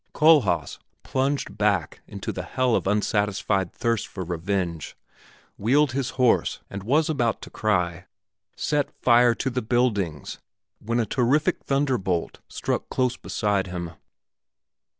Kohlhaas, plunged back into the hell of unsatisfied thirst for revenge, wheeled his horse and was about to cry, "Set fire to the buildings!" when a terrific thunder bolt struck close beside him.